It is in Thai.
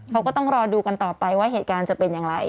เขาก็ต้องรอดูกันต่อไปว่าเหตุการณ์จะเป็นอย่างไร